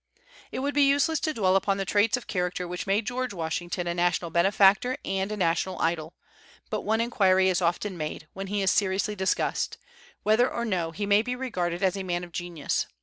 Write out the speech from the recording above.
It would be useless to dwell upon the traits of character which made George Washington a national benefactor and a national idol. But one inquiry is often made, when he is seriously discussed, whether or no he may be regarded as a man of genius.